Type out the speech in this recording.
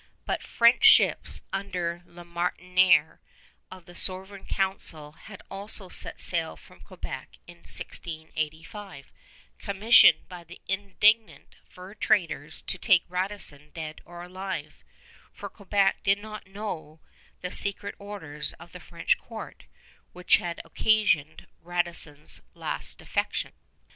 But French ships under La Martinière of the Sovereign Council had also set sail from Quebec in 1685, commissioned by the indignant fur traders to take Radisson dead or alive; for Quebec did not know the secret orders of the French court, which had occasioned Radisson's last defection.